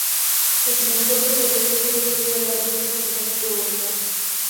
El transporte terrestre solo cubría la ruta Santa Fe, Bogotá.